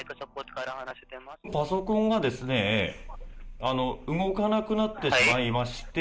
パソコンがですね、動かなくなってしまいまして。